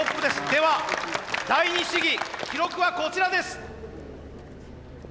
では第二試技記録はこちらです。